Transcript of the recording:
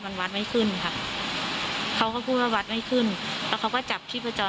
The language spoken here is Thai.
มันวาดไม่ขึ้นครับ